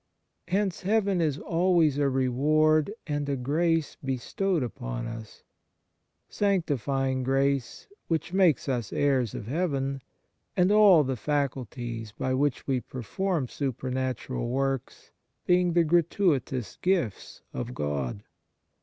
Hence heaven is always a reward and a grace bestowed upon us sanctifying grace, which makes us heirs of heaven, and all the faculties by which we perform supernatural works, being the gratuitous gifts of God.